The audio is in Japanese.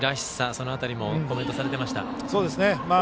その辺りもコメントされてました。